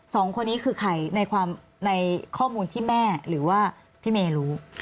สองคนนี้คือใครในข้อมูลที่แม่หรือว่าพี่เมย์รู้